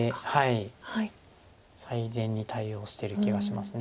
最善に対応してる気がします。